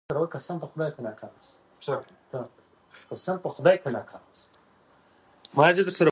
ډاکټره نتیجه ورکوي.